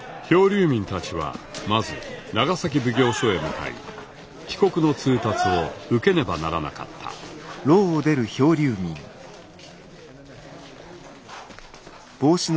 漂流民たちはまず長崎奉行所へ向かい帰国の通達を受けねばならなかったう！